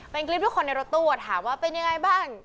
เป็นคลิปที่คนในรถตู้ถามว่าเป็นยังไงบ้าง